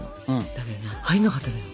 だけどね入んなかったのよ。